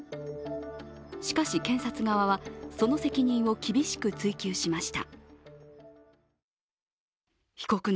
しかし、検察側はその責任を厳しく追及しました。